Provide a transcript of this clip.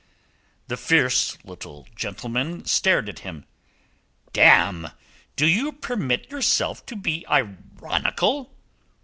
The fierce little gentleman stared at him. "Damme! Do you permit yourself to be ironical?"